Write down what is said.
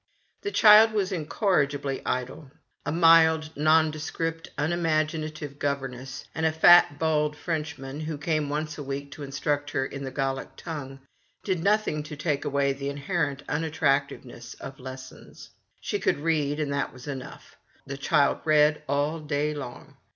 The child was incorrigibly idle. A mild, nondescript, unimaginative governess and a fat, bald Frenchman who came once a week to instruct her in the Gallic tongue did nothing to take away the inherent unattractiveness of "lessons." She could read, and that was enough. The child read all day long.